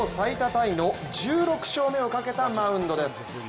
タイの１６勝目をかけたマウンドです。